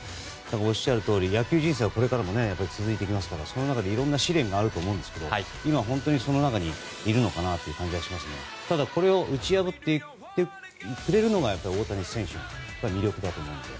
おっしゃるとおり野球人生はこれからも続いていきますからその中でいろんな試練があると思うんですけど今、本当にその中にいるのかなという感じがしますけどただ、これを打ち破ってくれるのが大谷選手の魅力だと思うので。